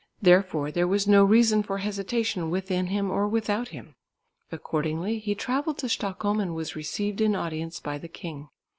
Therefore there was no reason for hesitation within him or without him. Accordingly he travelled to Stockholm and was received in audience by the king.